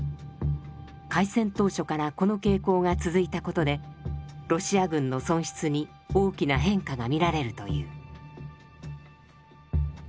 開戦当初からこの傾向が続いたことでロシア軍の損失に大きな変化が見られるという。